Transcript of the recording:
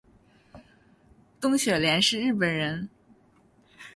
东雪莲是日本人